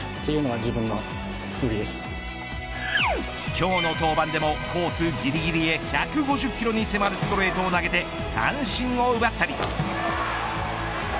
今日の登板でもコースぎりぎりへ１５０キロに迫るストレートを投げて三振を奪ったり。